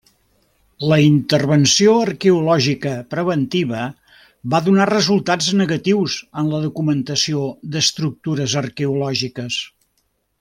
La intervenció arqueològica preventiva va donar resultats negatius en la documentació d’estructures arqueològiques.